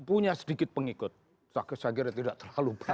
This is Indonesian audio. punya sedikit pengikut saya kira tidak terlalu banyak